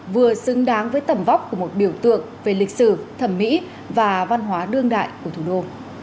vừa xứng đáng với tầm vóc của một biểu tượng về lịch sử thẩm mỹ và văn hóa đương đại của thủ đô